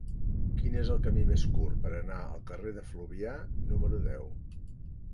Quin és el camí més curt per anar al carrer de Fluvià número deu?